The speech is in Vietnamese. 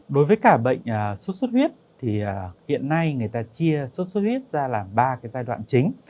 đối với cả bệnh sốt xuất huyết thì hiện nay người ta chia sốt xuất huyết ra làm ba cái giai đoạn chính